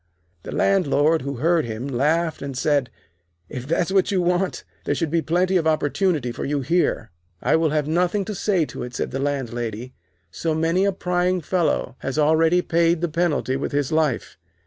The Landlord, who heard him, laughed, and said: 'If that's what you want, there should be plenty of opportunity for you here.' 'I will have nothing to say to it,' said the Landlady. 'So many a prying fellow has already paid the penalty with his life.